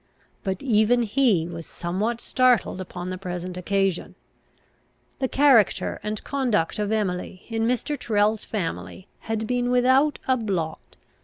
But even he was somewhat startled upon the present occasion. The character and conduct of Emily in Mr. Tyrrel's family had been without a blot.